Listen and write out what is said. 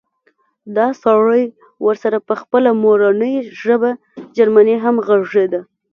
دا سړی ورسره په خپله مورنۍ ژبه جرمني هم غږېده